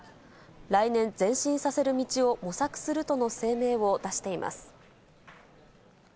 来年、前進させる道を模索するとの声明を出しています。